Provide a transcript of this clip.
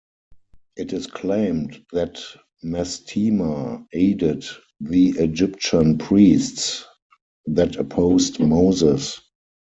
It is claimed that Mastema aided the Egyptian priests that opposed Moses.